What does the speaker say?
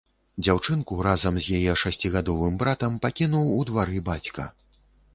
Дзяўчынку разам з яе шасцігадовым братам пакінуў у двары бацька.